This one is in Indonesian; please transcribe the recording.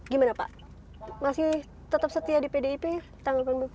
gimana pak masih tetap setia di pdip